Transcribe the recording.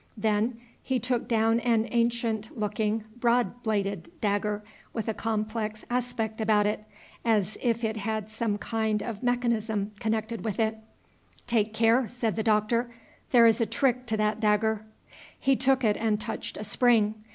Then he took down an ancient looking broad bladed dagger, with a complex aspect about it, as if it had some kind of mechanism connected with it. "Take care!" said the Doctor; "there is a trick to that dagger." He took it and touched a spring.